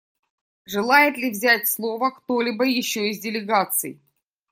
Желает ли взять слово кто-либо еще из делегаций?